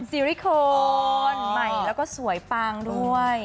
ซีริโคนใหม่แล้วก็สวยปังด้วย